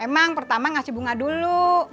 emang pertama ngasih bunga dulu